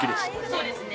そうですね。